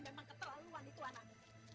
memang ketelaluan itu anak